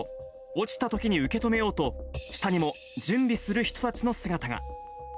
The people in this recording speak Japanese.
落ちたときに受け止めようと、下にも準備する人たちの姿が。